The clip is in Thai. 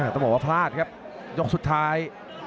ต้องบอกว่าพลาดครับยกสุดท้าย